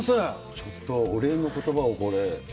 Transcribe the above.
ちょっと、お礼のことばをこれ。